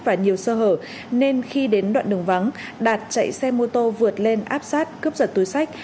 và nhiều sơ hở nên khi đến đoạn đường vắng đạt chạy xe mô tô vượt lên áp sát cướp giật túi sách